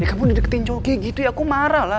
ya kamu dideketin cuge gitu ya aku marah lah